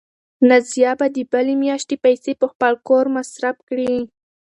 نازیه به د بلې میاشتې پیسې په خپل کور مصرف کړي.